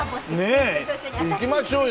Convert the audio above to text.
行きましょうよ！